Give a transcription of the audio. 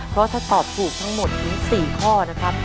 เพราะถ้าตอบถูกทั้งหมดถึง๔ข้อนะครับ